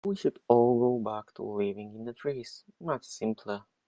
We should all go back to living in the trees, much simpler.